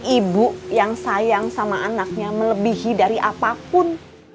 ibu yang sayang sama anaknya melebihi dari apapun